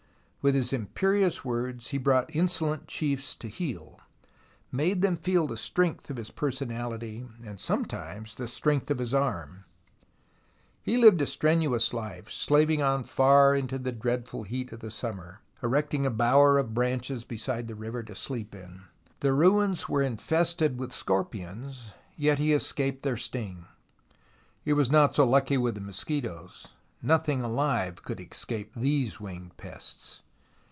With his imperious words he brought insolent chiefs to heel, made them feel the strength of his personahty, and sometimes the strength of his arm. He lived a strenuous life, slaving on far into the dreadful heat of summer, erecting a bower of branches beside the river to sleep in. The ruins were infested with scorpions, yet he escaped their sting. He was not so lucky with the mosquitoes. Nothing alive could escape these winged pests.